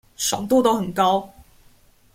爽度都很高